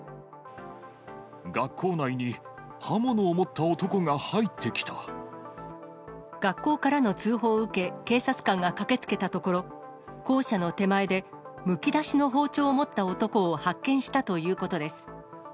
学校内に刃物を持った男が入学校からの通報を受け、警察官が駆けつけたところ、校舎の手前でむき出しの包丁を持った男を発見したということです。